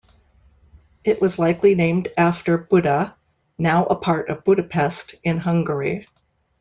It was likely named after Buda, now a part of Budapest, in Hungary.